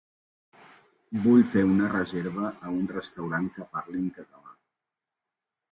Vull fer una reserva a un restaurant que parlin català